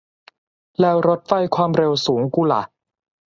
แล้วรถไฟความเร็วสูงกูล่ะ